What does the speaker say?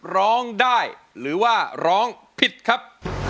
ร้องได้หรือว่าร้องผิดครับ